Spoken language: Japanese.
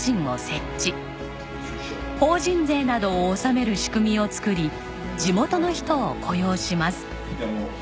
法人税などを納める仕組みを作り地元の人を雇用します。